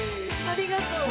ありがとう。